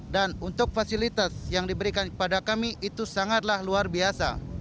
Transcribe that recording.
dan untuk fasilitas yang diberikan kepada kami itu sangatlah luar biasa